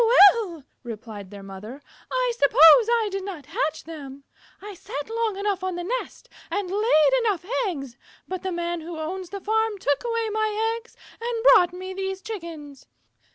"Well," replied their mother, "I suppose I did not hatch them. I sat long enough on the nest and laid enough eggs, but the Man who owns the farm took away my eggs and brought me these Chickens.